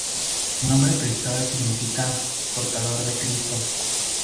El nombre Cristóbal significa: Portador de Cristo.